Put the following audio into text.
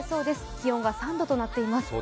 気温が３度となっています。